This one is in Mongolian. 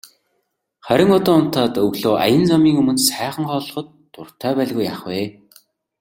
Харин одоо унтаад өглөө аян замын өмнө сайхан хооллоход дуртай байлгүй яах вэ.